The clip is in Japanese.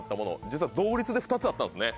実は同率で２つあったんですね。